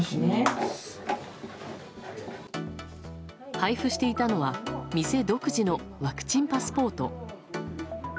配布していたのは店独自のワクチンパスポート。